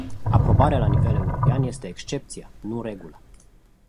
Aprobarea la nivel european este excepția, nu regula.